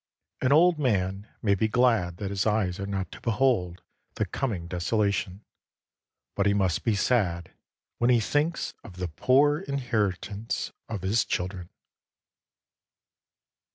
An old man may be glad that his eyes are not to behold the coming desolation, but he must be sad when he thinks of the poor inheritance of his children.